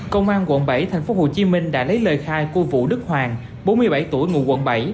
công an quận bảy tp hcm đã lấy lời khai của vũ đức hoàng bốn mươi bảy tuổi ngụ quận bảy